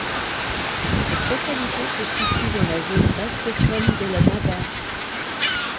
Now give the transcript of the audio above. Cette localité se situe dans la zone bascophone de la Navarre.